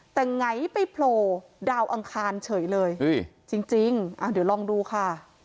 แต่ไงไปโผล่ดาวอังคารเฉยเลยจริงเดี๋ยวลองดูค่ะ